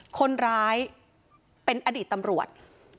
คนร้ายเป็นอดีตตำรวจ